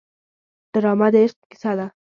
ډرامه د عشق کیسه ده